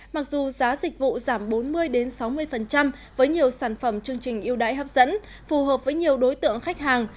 mặc dù giá dịch vụ giảm bốn mươi sáu mươi với nhiều sản phẩm chương trình yêu đại hấp dẫn phù hợp với nhiều đối tượng khách hàng